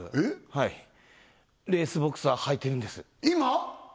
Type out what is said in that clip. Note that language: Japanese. はいレースボクサーはいてるんです今！？